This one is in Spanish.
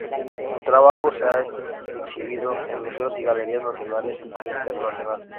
Su trabajo se ha exhibido en museos y galerías nacionales e internacionales.